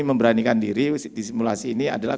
memberanikan diri di simulasi ini adalah